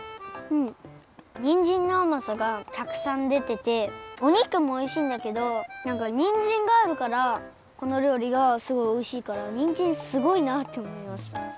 にんじんのあまさがたくさんでてておにくもおいしいんだけどなんかにんじんがあるからこのりょうりがすごいおいしいからにんじんすごいなっておもいました。